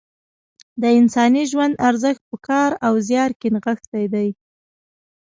د انساني ژوند ارزښت په کار او زیار کې نغښتی دی.